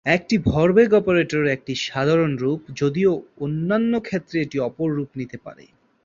এটি ভরবেগ অপারেটরের একটি সাধারণ রূপ, যদিও অন্যান্য ক্ষেত্রে এটি অন্য রূপ নিতে পারে।